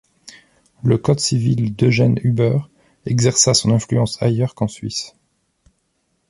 Le Code civil d’Eugen Huber exerça son influence ailleurs qu’en Suisse.